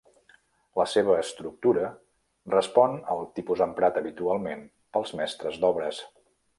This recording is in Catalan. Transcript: La seva estructura respon al tipus emprat habitualment pels mestres d'obres.